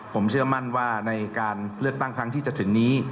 ผมเชื่อมั่นว่าในการเลือกตั้งครั้งที่จะถึงนี้